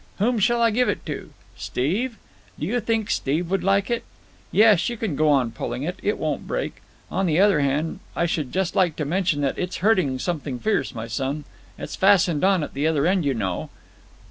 Whom shall I give it to? Steve? Do you think Steve would like it? Yes, you can go on pulling it; it won't break. On the other hand, I should just like to mention that it's hurting something fierce, my son. It's fastened on at the other end, you know."